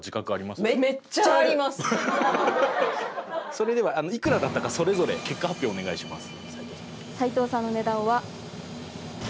それではいくらだったかそれぞれ結果発表をお願いします。